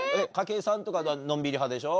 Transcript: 筧さんとかのんびり派でしょ？